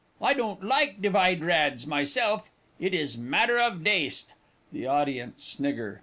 I don't loike the vide rads myself, it is madder of daste. [_The Audience snigger.